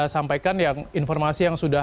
sampaikan informasi yang sudah